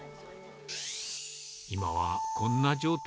今はこんな状態。